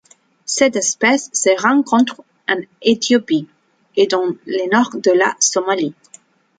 Cette espèce se rencontre en Éthiopie et dans le nord de la Somalie.